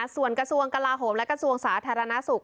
ส่วนกระทรวงกลาโหมและกระทรวงสาธารณสุข